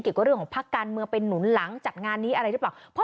มีเรื่องของภาคการเมืองไปหนุนหลังจัดงานนี้อะไรหรือเปล่า